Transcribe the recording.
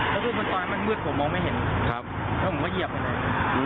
แล้วคือตอนมันมืดผมมองไม่เห็นครับแล้วผมก็เหยียบไปเลยอืม